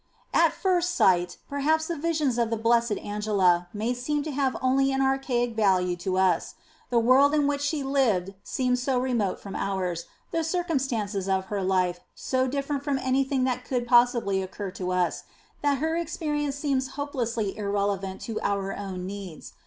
At first sight perhaps the visions of the Blessed Angela may seem to have only an archaic value for us. The world in which she lived seems so remote from ours, the circum INTRODUCTION xxix stances of her life so different from anything that could possibly occur to us, that her experience seems hopelessly irrelevant to our own needs.